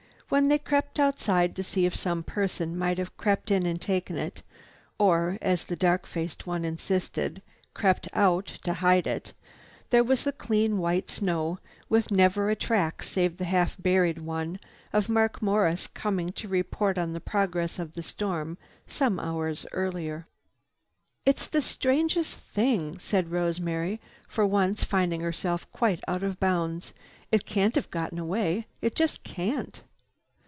When they went outside to see if some person might have crept in and taken it, or, as the dark faced one insisted, "crept out to hide it" there was the clean white snow with never a track save the half buried one of Mark Morris coming to report on the progress of the storm some hours before. "It's the strangest thing!" said Rosemary, for once finding herself quite out of bounds. "It can't have gotten away. It just can't!"